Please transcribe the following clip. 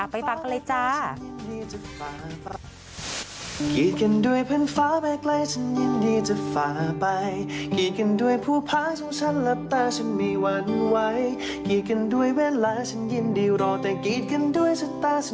ไปฟังกันเลยจ๊ะ